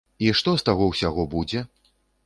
І што з таго ўсяго будзе?